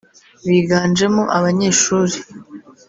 Biganjemo abanyeshuri